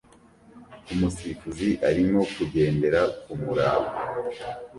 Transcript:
Umusifuzi arimo kugendera kumuraba